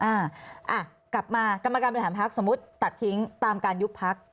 อ่ะกลับมากรรมการบริหารพักสมมุติตัดทิ้งตามการยุบพัก